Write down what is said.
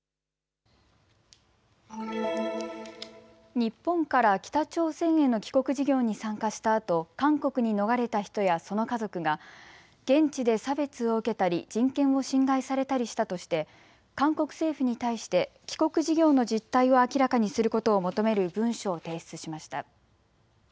日本から北朝鮮への帰国事業に参加したあと韓国に逃れた人やその家族が現地で差別を受けたり人権を侵害されたりしたとして韓国政府に対して帰国事業の実態を明らかにすることを求める文書を提出しました。